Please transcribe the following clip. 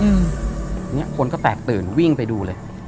เนี้ยคนก็แตกตื่นวิ่งไปดูเลย